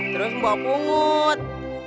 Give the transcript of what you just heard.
terus mbok pungut